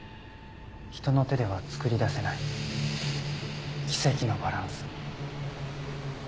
人の手では作り出せない奇跡のバランス。